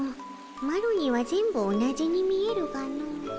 マロには全部同じに見えるがの。